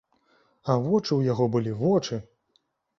А вочы ў яго былі, вочы!